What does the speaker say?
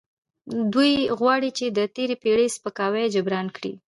دوی غواړي چې د تیرې پیړۍ سپکاوی جبران کړي.